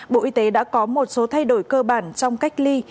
bộ y tế đã có một số thay đổi cơ bản trong cách ly